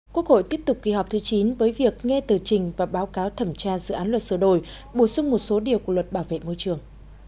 quốc hội tiếp tục kỳ họp thứ chín với việc nghe tờ trình và báo cáo thẩm tra dự án luật sửa đổi bổ sung một số điều của luật bảo vệ môi trường